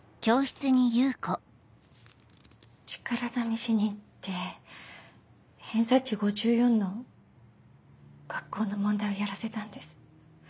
力試しにって偏差値５４の学校の問題をやらせたんです。